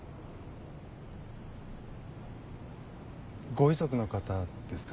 ご遺族の方ですか？